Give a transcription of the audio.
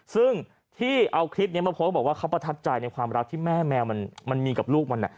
ซึ่งที่เอาคลิปนี้มาโพสต์บอกว่าเขาประทับใจในความรักที่แม่แมวมันมีกับลูกมัน